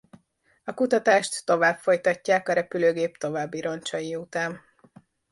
A kutatást tovább folytatják a repülőgép további roncsai után.